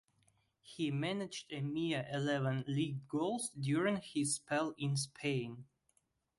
He managed a mere eleven league goals during his spell in Spain.